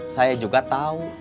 saya juga tahu